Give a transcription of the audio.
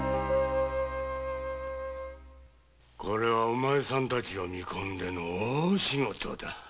お前さんたちを見込んでの大仕事だ。